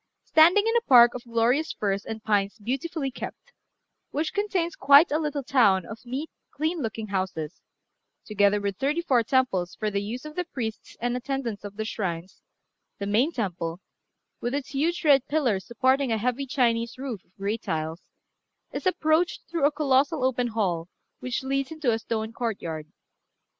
Standing in a park of glorious firs and pines beautifully kept, which contains quite a little town of neat, clean looking houses, together with thirty four temples for the use of the priests and attendants of the shrines, the main temple, with its huge red pillars supporting a heavy Chinese roof of grey tiles, is approached through a colossal open hall which leads into a stone courtyard.